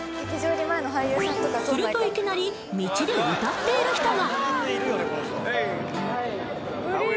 するといきなり道で歌っている人が。